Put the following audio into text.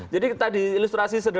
jadi tadi ilustrasi sederhana